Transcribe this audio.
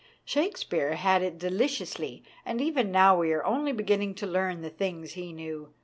Shakespeare had it deliciously, and even now we are only beginning to learn the things he knew.